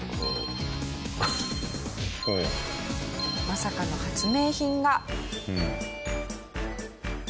まさかの発明品が。